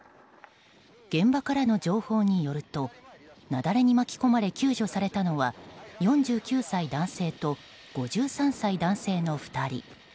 現場からの情報によると雪崩に巻き込まれ救助されたのは４９歳男性と５３歳男性の２人。